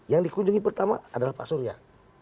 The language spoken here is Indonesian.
yang dikunjungi pertama adalah pak surya